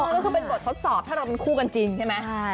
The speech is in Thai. ก็คือเป็นบททดสอบถ้าเราเป็นคู่กันจริงใช่ไหม